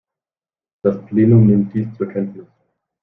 Das Plenum nimmt dies zur Kenntnis.